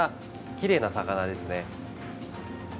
きれいな魚ですね。